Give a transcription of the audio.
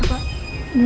iya ibu gak ada